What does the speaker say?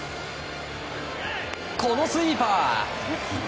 このスイーパー。